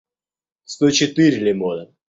сто четыре лимона